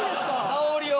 香りを。